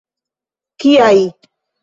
Kiaj!